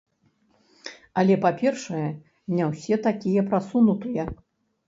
Але, па-першае, не ўсе такія прасунутыя.